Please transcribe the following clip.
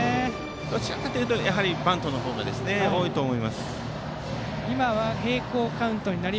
どちらかというとバントの方が多いと思います。